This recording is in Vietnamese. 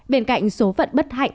bên cạnh số phận bất hạnh